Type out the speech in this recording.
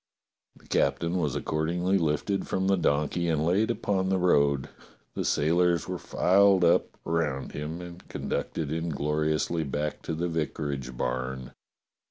The captain was accordingly lifted from the donkey and laid upon the road. The sailors were filed up around him, and conducted ingloriously back to the vicarage barn.